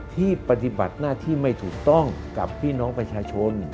ปฏิบัติหน้าที่ไม่ถูกต้องกับพี่น้องประชาชน